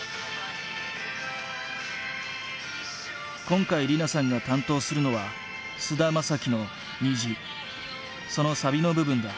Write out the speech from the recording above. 今回莉菜さんが担当するのは菅田将暉の「虹」そのサビの部分だ。